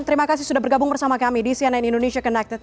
terima kasih sudah bergabung bersama kami di cnn indonesia connected